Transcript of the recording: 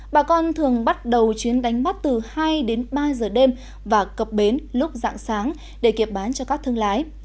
bà con thường bắt đầu chuyến đánh bắt từ hai đến ba giờ đêm và cập bến lúc dạng sáng để kiệp bán cho các thương lái